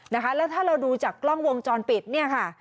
นะคะแล้วถ้าเราดูจากกล้องวงจรปิดเนี่ยค่ะ